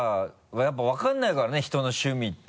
やっぱ分からないからね人の趣味って。